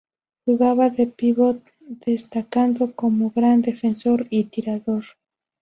Jugaba de pívot destacando como gran defensor y tirador.